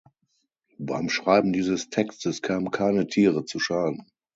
Beim Schreiben dieses Textes kamen keine Tiere zu Schaden.